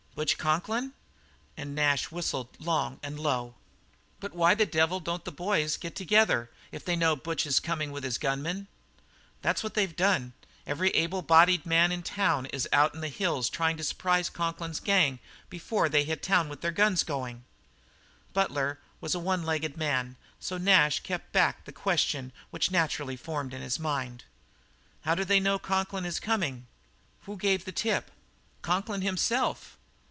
"Butch Conklin?" And Nash whistled long and low. "But why the devil don't the boys get together if they know Butch is coming with his gunmen?" "That's what they've done. Every able bodied man in town is out in the hills trying to surprise Conklin's gang before they hit town with their guns going." Butler was a one legged man, so Nash kept back the question which naturally formed in his mind. "How do they know Conklin is coming? Who gave the tip?" "Conklin himself."